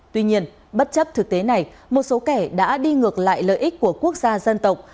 tuy nhiên bất chấp thực tế này một số kẻ đã đi ngược lại lợi ích của quốc gia dân tộc